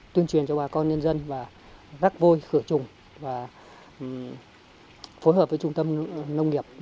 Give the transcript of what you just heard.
tuyên truyền cho bà con nhân dân và rắc vôi khử trùng và phối hợp với trung tâm nông nghiệp